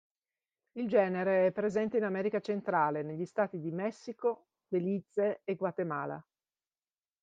Il genere è presente in America Centrale, negli stati di Messico, Belize e Guatemala.